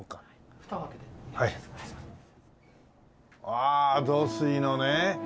ああ雑炊のね。